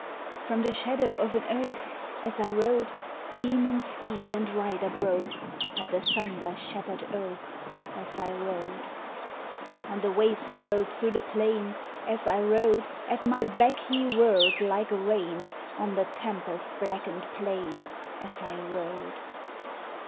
From the shadow of an oak, As I rode, Demon steed and rider broke; By the thunder shattered oak, As I rode. On the waste road through the plain, As I rode, At my back he whirled like rain; On the tempest blackened plain, As I rode.